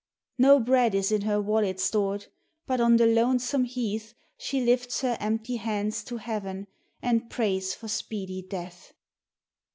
No bread is in her wallet stored, but on the lone some heath She lifts her empty hands to heaven and prays for speedy death.